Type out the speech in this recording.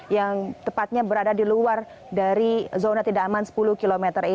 yang tepatnya berada di luar dari zona tidak aman sepuluh km